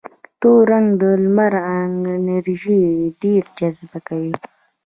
تور رنګ د لمر انرژي ډېره جذبه کوي.